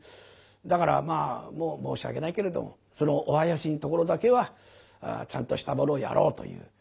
だからまあ申し訳ないけれどそのお囃子のところだけはちゃんとしたものをやろうという。